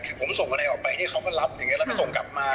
คือผมส่งอะไรออกไปเนี่ยเขาก็รับอย่างนี้แล้วก็ส่งกลับมา